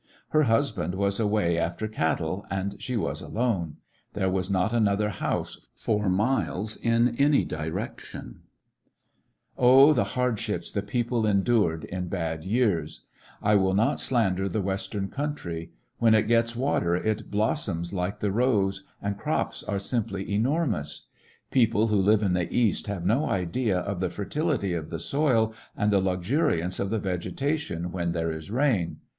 Her husband was away after cat tle and she was alone. There was not another honse for miles in any direction It all depends Oh, the hardships the people endured in bad years ! I will not slander the Western conntry. When it gets water it blossoms like the rose, and crops arc simply enormous* People who live in the East have no idea of the fertility of the soO and the luxuriance of the vegetation when there is rain.